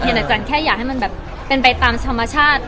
เพียงแต่แจ่นแค่อยากให้มันเป็นไปตามชาวมาชาติ